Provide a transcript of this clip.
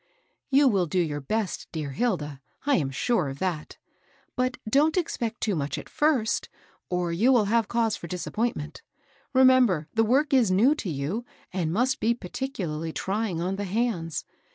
" .You will do your best, dear Hilda ; I am sure of that. But don't expect too much at first, or you will have cause for disappointment. Remem ber the work is new to you, and must be particu larly trying on the hands.